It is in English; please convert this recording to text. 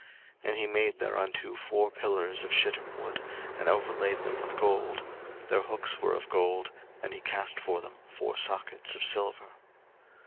02:036:036 And he made thereunto four pillars of shittim wood, and overlaid them with gold: their hooks were of gold; and he cast for them four sockets of silver.